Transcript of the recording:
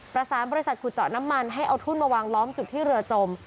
ประสานบริษัทขุดเจาะน้ำมันให้เอาทุ่นมาวางล้อมจุดที่เรือจม